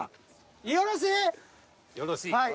よろしい？